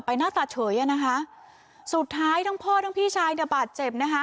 ออกไปหน้าสัตว์เฉยอ่ะนะฮะสุดท้ายทั้งพ่อทั้งพี่ชายแต่บาดเจ็บนะฮะ